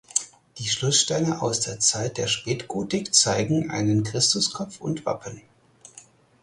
Die Schlusssteine aus der Zeit der Spätgotik zeigen einen Christuskopf und Wappen.